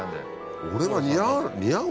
俺が似合う？